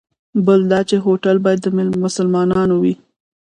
بل دا چې هوټل باید د مسلمانانو وي.